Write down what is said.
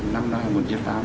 năm năm một mươi tám